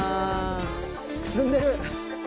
くすんでる！